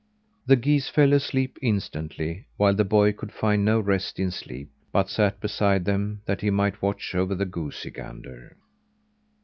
The geese fell asleep instantly, while the boy could find no rest in sleep, but sat beside them that he might watch over the goosey gander.